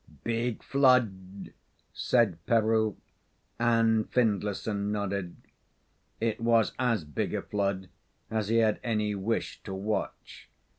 "Big flood," said Peroo, and Findlayson nodded. It was as big a flood as he had any wish to watch.